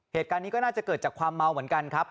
เหตุการณ์นี้ก็น่าจะเกิดจากความเมาเหมือนกันครับ